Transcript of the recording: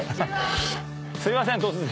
すいません突然。